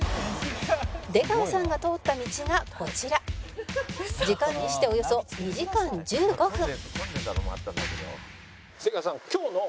「出川さんが通った道がこちら」「時間にしておよそ２時間１５分」